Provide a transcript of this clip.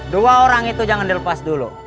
dua orang itu jangan dilepas dulu